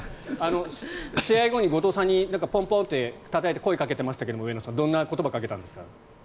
試合後に後藤さんにポンポンとたたいて声をかけていましたけどどんな声をかけていたんですか？